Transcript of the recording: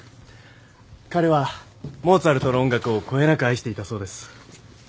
彼はモーツァルトの音楽をこよなく愛していたそうです。